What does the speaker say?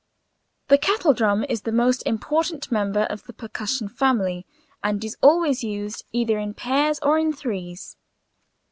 The kettle drum is the most important member of the percussion family and is always used either in pairs or in threes.